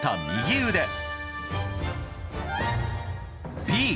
右腕。